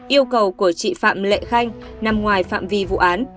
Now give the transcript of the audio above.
yêu cầu của chị phạm lệ khanh nằm ngoài phạm vi vụ án